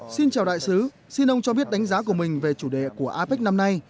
xin chào đại sứ xin ông cho biết đánh giá của mình về chủ đề của apec năm nay